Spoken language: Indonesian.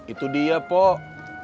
itu dia pok